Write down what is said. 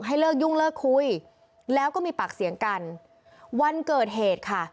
เลิกยุ่งเลิกคุยแล้วก็มีปากเสียงกันวันเกิดเหตุค่ะ